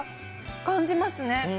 感じますね。